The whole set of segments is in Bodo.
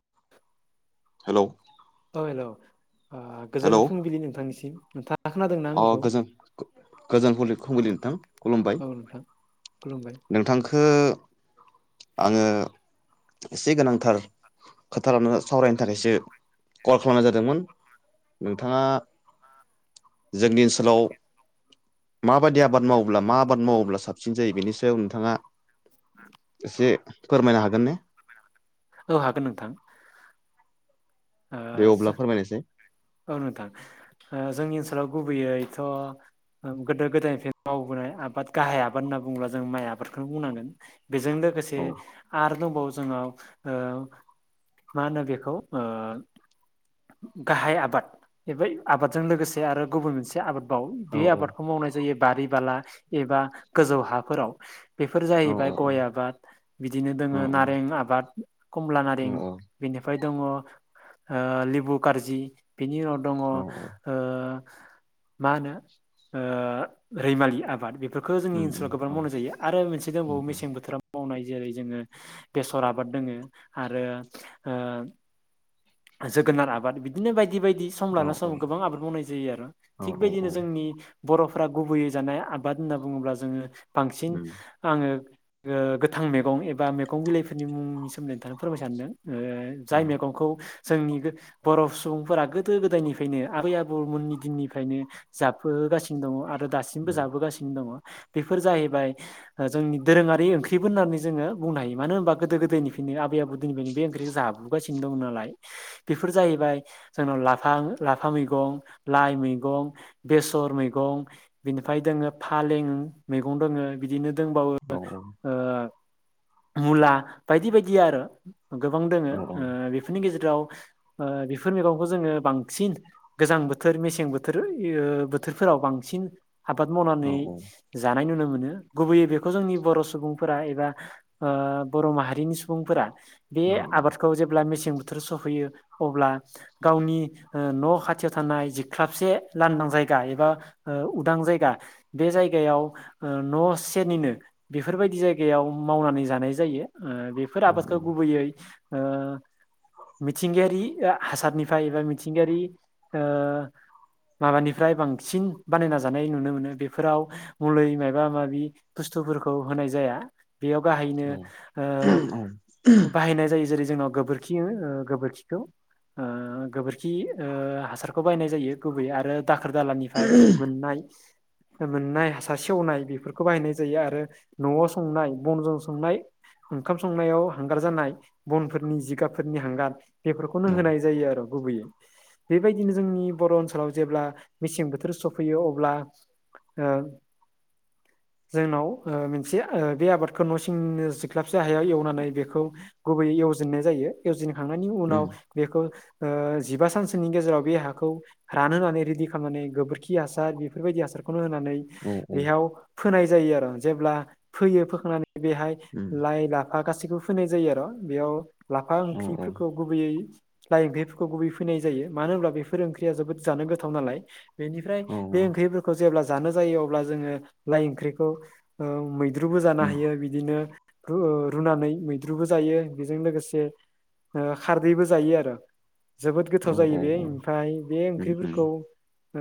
[inaudible] हेल' हेल' गोजोन फुंबिलि नोंथांनिसिम नोंथा अ गोजोन फुंबिलि नोंथां खुलुमबाय औ नोंथां खुलुमबाय नोंथांखो आङो एसे गोनांथार खोथा लानानै सावरायनो थाखायसो कल खालामनाय जादोंमोन नोंथाङा जोंनि ओनसोलाव माबायदि आबाद मावोब्ला मा आबाद मावोब्ला साबसिन जायो बेनि नोंथाङा एसे फोरमायनो हागोन ने औ हागोन नोंथां ओ दे अब्ला जो- फोरमायनायसाय। औ नोंथां ओ जोंनि गुबैयैथ' गोदो गोदायनिफ्राय मावबोनाय आबाद गाहाय आबाद होनना बुङोब्ला जों माइ आबादखौनो बुंनांगोन। बेजों लोगोसे औ आरो दंबावो। जोंनाव ओ मा होनो बेखौ ओ गाहाय आबाद बे आबादजों लोगोसे आरो गुबुन मोनसे आबाद बाव औ बे आबादखौ मावनाय जायो बारि बाला एबा गोजौ हाफोराव। बेफोर औ जाहैबाय औ गय आबाद बिदिनो औ दोङो औ नारें आबाद। कमला औ नारें बेनिफ्राय दङ ओ लिबु कार्जि। बिनि उनाव दङ ओ औ मा होनो रैमालि आबाद बे बेखो जोंनि उम ओनसोलाव उम गोबां औ मावनाय जायो आरो मोनसे उम दंबावो उम मेसें बोथोराव मावनाय जेरै जोङो बेसर आबाद दोङो आरो ओ जोगोनार आबाद बिदिनो बायदि बायदि बायदि सम औ लाना समाव गोबां आबाद मावनाय जायो आरो औ थिग बेबायदिनो औ उम जोंनि बर'फोरा गुबैयै जानाय आबाद होनना बुङोब्ला जोङो बांसिन उम आङो ओ गोथां मैगं एबा मैगं बिलाइफोरनि मुंनिसोमोन्दै नोंथांनो फोरमायनो सानदों। जाय मैगंखौ जोंनि बर' सुबुंफोरा गोदो गोदायनिफ्रायनो आबै आबौमोननि दिननिफ्रायनो जाफो गासिनो दङ आरो दासिमबो उम जाबोगासिनो दङ। बेफोर जाहैबाय ओ जोंनि दोरोङारि ओंख्रिबो होननानै जोङो बुंनो हायो मानो होनबा गोदो गोदायनिफ्रायनो आबै आबौ निफ्रायनो बे ओख्रिखौ जाबोगासिनो दं नालाय। बेफोर जाहैबाय जोंनाव लाफा लाफा मैगं लाइ मैगं बेसर सर मैगं बेनिफ्राय दोङो फालें दोङो बिदिनो दंबावो औ ओ मुला बायदि बायदि आरो। गोबां दोङो औ बेफोरनि गेजेर ओ बेफोर मैगंखौ जोङो बांसिन गोजां बोथोर मेसें बोथोर ओ बोथोरफोराव बांसिन आबाद औ मावनानै औ जानाय नुनो मोनो। गुबैयै बेखौ जोंनि बर' सुबुंफोरा एबा ओ बर' माहारिनि सुबुंफोरा बे उम उम आबादखौ जेब्ला मेसें बोथोर सफैयो अब्ला गावनि ओ न' खाथियाव थानाय जिख्लाबसे लांदां जायगा एबा ओ उदां जायगा बे जायगायाव ओ न' सेरनिनो बेफोर बायदि जायगायाव मावनानै जानाय जायो ओ बेफोर आबादखौ गुबैयै ओ मिथिंगायारि हासारनिफ्राय एबा मिथिंगायारि ओ माबानिफ्राय बांसिन बानायना जानाय नुनो मोनो बेफोराव मुलै माबा माबि बु स्थुफोरखौ होनाय जाया। बेयाव गाहायैनो ओ बाहायनाय जायो जेरै जोंनाव गोबोर खि ओ गोबोरखिखौ ओ गोबोरखि ओ हासारखौ बाहायनाय जायो गुबैयै आरो दाखोर दालानिफ्राय मोननाय मोननाय हासार सेवनाय बेफोरखौ बाहायनाय जायो आरो न'आव संनाय बनजों संनाय ओंखाम संनायाव हांगार जानाय बनफोरनि जिगाबफोरनि हांगार बेफोरखौनो होनाय जायो आरो गुबैयै बेबायदिनो जोंनि बर' ओनसोलाव जेब्ला मेसें बोथोर सफैयो अब्ला औ [inaudible] जोंनाव ओ मोनसे ओ बे आबादखौ न' सिंनिनो जिख्लाबसे हायाव एवनानै बेखौ गुबैयै गुबैयै एवजेननाय जायो एवजेनखांनायनि उनाव बेखौ ओ जिबा सानसोनि गेजेराव बे हाखौ रानहोनानै रेडि खालामनानै गोबोरखि हासार बेफोरबायदि हासारखौनो होनानै बेयाव फोनाय जायो आरो जेब्ला फोयो फोखांनानै बेहाय लाइ लाफा गासिखौबो फोनाय जायो आरो बेयाव लाफा ओंख्रिफोरखौ गुबैयै लाइ ओंख्रिफोरखौ गुबै फोनाय जायो मानो होनब्ला बेफोर ओंख्रिया जोबोद जानो गोथाव नालाय बेनिफ्राय बे ओंख्रिफोरखौ जेब्ला जानो जायो अब्ला जोङो लाइ ओंख्रिखौ ओ मै- द्रुबो जानो हायो बिदिनो ओ रुनानै मैद्रुबो जायो बेजों लोगोसे ओ खारदैबो जायो आरो जोबोद गोथाव जायो बेयो ओमफ्राय बे ओंख्रिफोरखौ ओ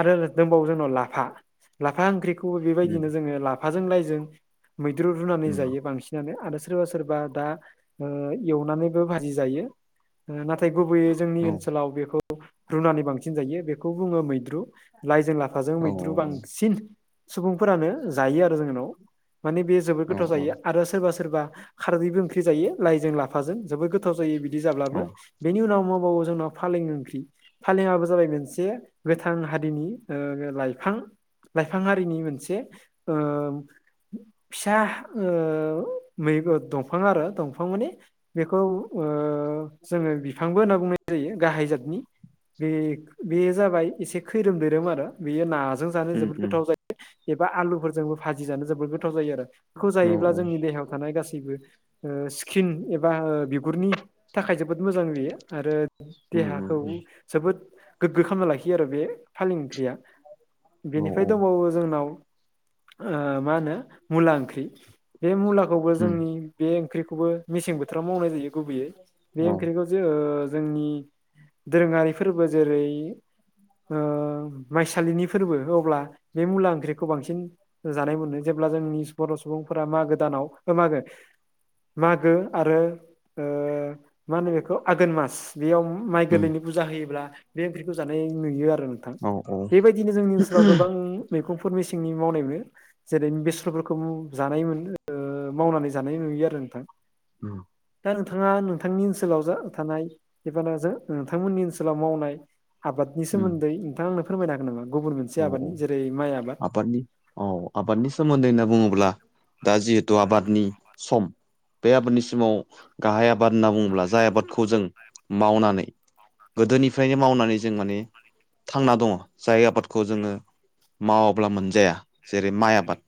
आरो दंबावो जोंनाव लाफा लाफा ओंख्रिखौ बेबायदिनो जोङो ला फाजों लाइजों मैद्रु रुनानै जायो बांसिनानो आरो सोरबा सोरबा दा ओ एवनानैबो भाजि जायो नाथाय गुबैयै जोंनि ओनसोलाव बेखौ रुनानै बांसिन जायो बेखौ बुङो मैद्रु लाइजों लाफाजों मैद्रु आबादनि बांसिन सुबुंफोरानो जायो आरो जोंनाव माने बेयो जोबोद गोथाव जायो आरो सोरबा सोरबा खारदैबो ओंख्रि जायो लाइजों लाफाजों जोबोद गोथाव गोथाव जायो बिदि जाब्लाबो बेनि उनाव दं- बावो जोंनाव फालें ओंख्रि फालेंआबो जाबाय मोनसे गोथां हारिनि लाइफां लाइफां हारिनि मोनसे ओ फिसा ओ मैग दंफां आरो दंफां माने बेखौ ओ जोङो बिफांबो होनना बुंनाय जायो गाहाय जाादनि बे बेयो जाबाय एसे खैरोम दैैरोम आरो बेयो नाजों जानो जोबोद गोथाव जायो एबा आलुफोरजोंबो भाजि जानो जोबोद गोथाव जायो आरो बेखौ जायोब्ला जोंनि देहायाव थानाय गासैबो ओ स्किन एबा बिगुरनि थाखाय जो- बोद मोजां बियो आरो देहाखौ जोबोद गोग्गो खालामना लाखियो आरो बे फालें ओंख्रिया बेनिफ्राय दंबावो जोंनाव ओ मा होनो मुला ओंख्रि बे मुलाखौबो जोंनि बे ओंख्रिखौ खौबो मेसें बोथोराव मावनाय जायो गुबैयै बे ओंख्रिखौ जो जोंनि दोरोङारि फोरबो जेरै ओ माइसालिनि फोरबो अब्ला बे मुला ओंख्रिखौ बांसिन जानाय मोनो जेब्ला ब्ला जोंनि बर' सुबुंफोरा मागो दानाव ओ मागो गो आरो ओ मा होनो बेखौ आघोन मास बेयाव माइ गोरलैनि फुजा होयोब्ला बे ओंख्रिखौ जानाय नुयो आरो नोंथां बेबायदिनो जोंनि ओनसोलाव गोबां मैगंफोर सेंनि मावनाय मोनो जेरै बेसरफोरखौ जानाय मोनो ओ मावनानै जानाय नुयो आरो नोंथां उम दा नोंथाङा नोंथांनि ओनसोलाव जा थानाय एबा जा नोंथांमोननि ओनसोलाव मावनाय आबादनि सोमोन्दै नोंथां आंनो फोरमायना हागोन नामा गुबुन मोनसे औ औ आबादनि जेरै माइ आबाद आबादनि औ आबादनि सोमोन्दै होनना बुङोब्ला दा जिहेतु आबादनि सम बे आबादनि सिमाव गाहाय आबाद होनना बुङोब्ला जाय आबादखौ जों मावनानै गोदोनिफ्रायनो मावनानै जों माने थांना दङ जाय आबाद खौ जोङो मावाब्ला मोनजाया जेरै माइ आबाद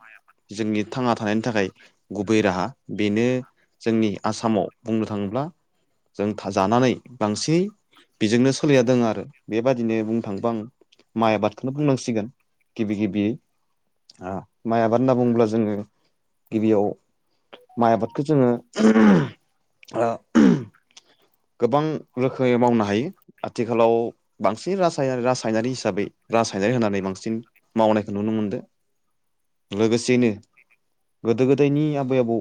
जोंनि थांना थानायनि थाखाय गुबै राहा। बेनो जोंनि आसामाव बुंनो थाङोब्ला जों थाजानानै बांसै बेजोंनो सोलिना दों आरो बेबादिनो बुंनो थाङोबा आं माइ आबादखौनो बुंनांसिगोन गिबि गिबि आ माइ आबाद होनना बुङोब्ला जोङो गिबियाव माइ आबादखौ जोङो ओ गोबां रोखोमै मावनो हायो आथिखालाव बांसिन रासायनारि हिसाबै रासायनारि होनानै बांसिन मावनायखौ नुनो मोनदों लोगोसेनो गोदो गोदायनि आबै आबौ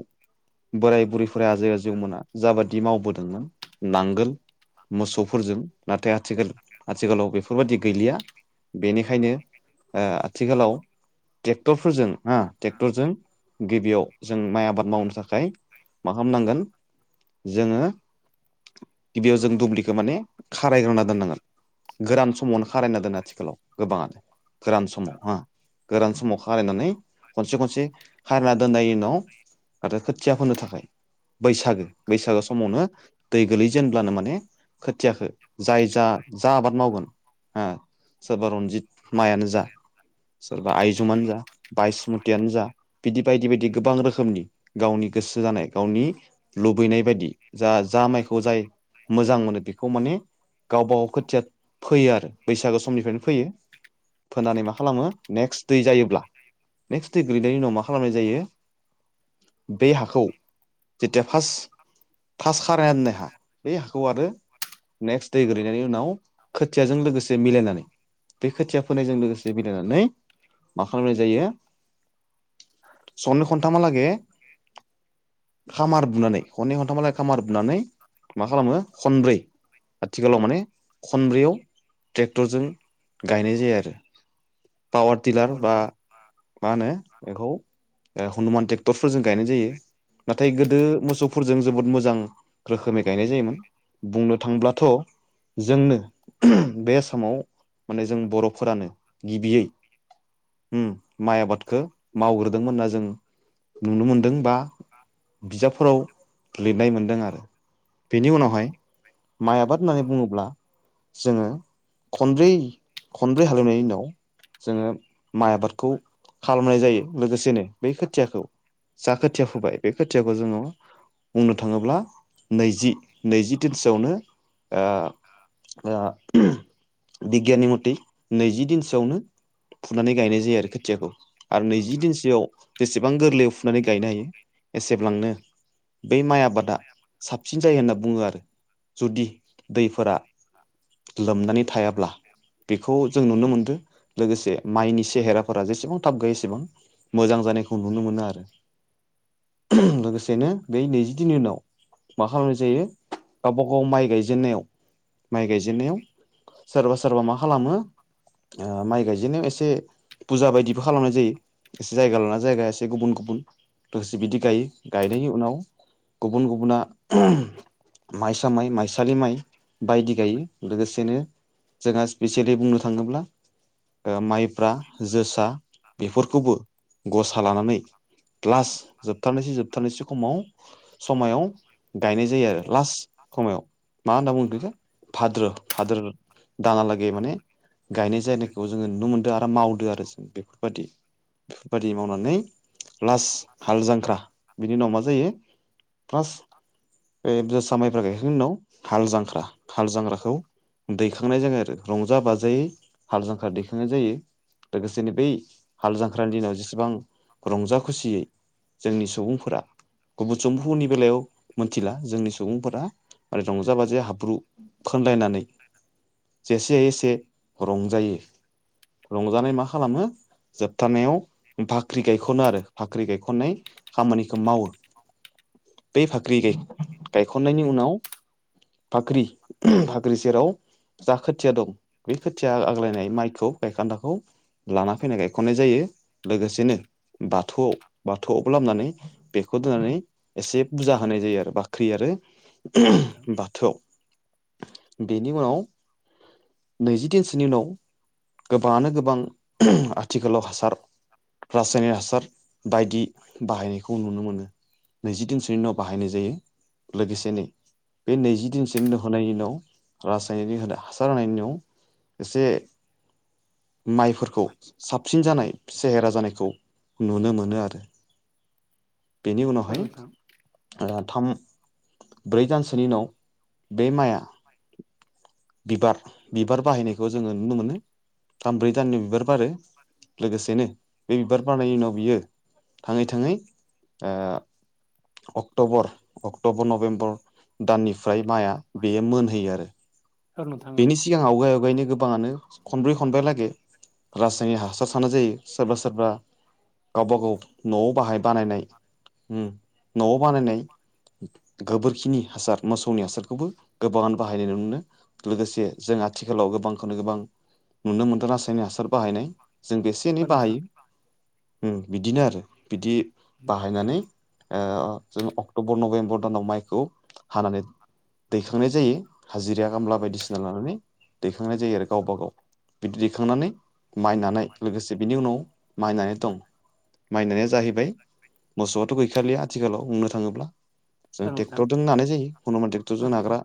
बोराय बुरैफोरा आजै आजौमोना जाबादि मावबोदोंमोन नांगोल मोसौफोरजों नाथाय आथिखाल आथिखालाव बेफोरबादि गैलिया बेनिखायनो ओ आथिखालाव ट्रेक्टरफोरजों हा टेक्टरजों गिबियाव जों माइ आबाद मावनो थाखाय मा खामनांगोन जोङो गिबियाव जों दुब्लिखो माने खारायग्रोना दोननांगोन। गोरान समावनो खारायना दोनो आथिखालाव गोबाङानो गोरान समाव हा। गोरान समाव खारायनानै खनसे खनसे खारायना दोन्नायनि उनाव आरो खोथिया फोनो थाखाय बैसागो बैसागो समावनो दै गोलैजेनब्लानो माने खोथियाखो जाय जा जा आबाद मावगोन ओ सोरबा रन्जित माइयानो जा सोरबा आयजुमानो जा बायसमुतियानो जा बिदि बायदि बायदि गोबां रोखोमनि गावनि गोसो जानाय गावनि लुबैनाय बायदि जा जा माइखौ जाय मोजां मोनो बेखौ माने गावबागाव खोथिया फैयो आरो बैसागो समनिफ्रायनो फोयो। फोनानै मा खालामो नेक्स दै जायोब्ला नेक्स दै गोलैनायनि उनाव मा खालामनाय जायो बे हाखौ जेथिया फास फास खारायना दोन्नाय हा बे हाखौ आरो नेक्स दै गोलैनायनि उनाव खोथियाजों लोगोसे मिलायनानै बे खोथिया फोनायजों लोगोसे मिलायनानै मा खालामनाय जायो सननै खनथामा लागे खामार बुनानै खननै खनथामालागे खामार बुनानै मा खालामो खनब्रै आथिखालाव माने खनब्रैयाव ट्रेक्टरजों गायनाय जायो आरो। पावार टिलार औ बा माहोनो बेखौ ओ हुनुमान टेक्टरफोरजों गायनाय जायो। नाथाय गोदो मोसौफोरजों जोबोद मोजां रोखोमै गायनाय जायोमोन। बुंनो थांब्लाथ' जोंनो बे आसामाव माने जों बर'फोरानो गिबियै उम माइ आबादखो मावग्रोदोंमोन जों नुनो मोनदों बा बिजाबफोराव लिदनाय मोनदों आरो। बिनि उनावहाय माइ आबाद होननानै बुङोब्ला जोङो खनब्रै खनब्रै हाल एवनायनि उनाव जोङो माइ आबादखौ खालामनाय जायो। लोगोसेनो बै खोथियाखौ जा खोथिया फुबाय बे खोथियाखौ जोङो बुंनो थाङोब्ला नैजि नैजि दिनसोआवनो ओ ओ बिगियाननि मथै नैजि दिनसो आवनो फुनानै गायनाय जायो आरो खोथियाखौ आरो नैजि दिनसोयाव जेसेबां गोरलैयाव फुनानै गायनो हायो एसेब्लांनो बै माइ आबादा साबसिन जायो होनना बुङो आरो जुदि दैफोरा लोमनानै थायाब्ला। बेखौ जों नुनो मोनदो लोगोसे माइनि सेहेराफोरा जेसेबां थाब गायो एसेबां मोजां जानायखौ नुनो मोनो आरो। लोगोसेनो बे नैजि दिननि उनाव मा खालामनाय जायो गावबा गाव माइ गायजेन नायाव माइ गायजेनायाव सोरबा सोरबा मा खालामो ओ माइ गायजेन्नायाव एसे फुजा बायदिबो खालामनाय जायो। एसे जायगा लाना जायगा एसे गुबुन गुबुन लोगोसे बिदि गायो। गायनायनि उनाव गुबुन गुबुना [unintelligible] माइसा माइ माइसालि माइ बायदि गायो। लोगोसेनो जोंहा स्पेसियेलि बुंनो थाङोब्ला ओ माइब्रा जोसा बेफोरखौबो ग'सा लानानै लास जोबथारनोसै जोबथारनोसै खमाव समायाव गायनाय जायो आरो लास्ट खमायाव मा होनना बुंगोन बेखौ भाद्र' भाद्र दानालागै माने गायनाय जायनायखौ जोङो नुनो मोनदों आरो मावदो आरो जों बेफोरबायदि बेफोरबायादि मावनानै लास्ट हाल जांख्रा बिनि उनाव मा जायो फास्ट ओ जोसा मायब्रा गायखांनायनि उनाव हाल जांख्रा हाल जांख्राखौ दै दैखांनाय जोङो रंजा बाजायै हाल जांख्रा दैखांनाय जायो लोगोसेनो बै हाल जांख्रानि दिनाव जेसेबां रंजा खुसियै जोंनि सुबुंफोरा गुबुन सुबुंफोरनि बेलायाव मोनथिला जोंनि सुबुंफोरा रंजा बाजायै हाब्रु खोनदायनानै जेसे हायो एसे रंजायो रंजानाय मा खालामो जोबथानायाव बाख्रि गायख'नो आरो बाख्रि गायख'नाय खामानिखौ मावो बे बाख्रि गायख'ननायनि उनाव बाख्रि बाख्रि सेराव जा खोथिया दं बे खोथिया आग्लायनाय माइखौ गायखानदाखौ लाना फैनाय गायख'ननाय जायो लोगोसेनो बाथौयाव बाथौयावबो लाबोनानै बेखौ खौ दोननानै एसे फुजा होनाय जायो आरो बाख्रि आरो नोंथां बाथौ बेनि उनाव नैजि दिनसोनि उनाव गोबाङानो गोबां आथिखालाव हासार रासायनिक हासार बायदि बाहायनायखौ नुनो मोनो नैजिदिनसोनि उनाव बाहायनाय जायो लोगोसेनो बे नैजि दिनसोनि होनायनि उनाव राज गायनायनि हासार होननि उयाव एसे माइफोरखौ साबसिन जानाय सेहेरा जानायखौ नुनो मोनो आरो। बेनि औ उनावहाय नोंथां ओ थाम। ब्रै दानसोनि उनाव बे माइआ। बिबार बिबार बारहैनायखौ जोङो नुनो मोनो। थामब्रै दाननि बिबार बारो लोगोसेनो बे बिबार बारनायनि उनाव बियो। थाङै थाङै ओ अक्ट'बर अक्ट'बर नभेम्बर। दाननिफ्राय माइआ बेयो मोनहैयो आरो। औ नोंथां औ नोंथां बेनि औ सिगां आवगाय आवगायनो गोब गोबाङानो खनब्रै खनबा हालागै रासायनिक हासार सारनाय जायो सोरबा सोरबा। गावबा गाव न'आव बाहाय बानायनाय ओम न'आव बानायनाय। गोबोरखिनि हासार मोसौनि हासारखौबो गोबाङानो बाहायनाय नुनो मोनो। लोगोसे जों आथिखालाव गोबांखौनो गोबां नुनो मोन्दों रासायनिक हासार बाहायनाय। जोंबो एसे एनै नोंथां बाहायो ओम बिदिनो आरो बिदि बाहायनानै ओ। जों अक्ट'बर नभेम्बर दानाव माइखौ हानानै। दैखांनाय जायो हाजिरा खामला बायदिसिना लानानै दैखांनाय जायो आरो गावबा गाव। बिदि दैखांनानै माइनानै लोगोसे बिनि उनाव माइनानै दं। माइनाया जाहैबाय मोसौआथ' गैखालिया आथिखालाव बुंनो थाङोब्ला। जों औ नोंथां टेक्टरदों नानाय जायो हनुमान औ टेक्टरजों नोंथां नाग्रा।